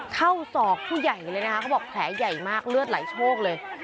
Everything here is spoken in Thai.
ศอกผู้ใหญ่เลยนะคะเขาบอกแผลใหญ่มากเลือดไหลโชคเลย